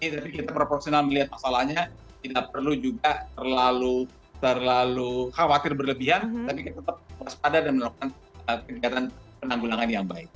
tapi kita proporsional melihat masalahnya tidak perlu juga terlalu khawatir berlebihan tapi kita tetap waspada dan melakukan kegiatan penanggulangan yang baik